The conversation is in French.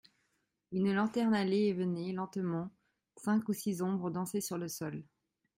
Une lanterne allait et venait lentement, cinq ou six ombres dansaient sur le sol.